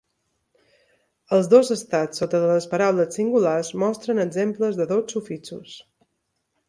Els dos estats sota de les paraules singulars mostren exemples de dos sufixos.